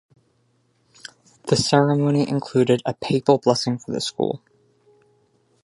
The ceremony included a papal blessing for the school.